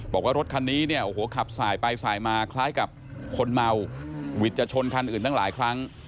บอกว่ารถคันนี้เนี่ยโอ้โหขับสายไปสายมาคล้ายกับคนเมาวิทย์จะชนคันอื่นตั้งหลายครั้ง